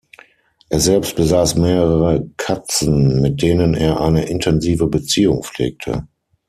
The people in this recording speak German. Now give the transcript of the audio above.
Er selbst besaß mehrere Katzen, mit denen er eine intensive Beziehung pflegte.